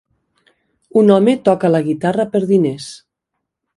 Un home toca la guitarra per diners.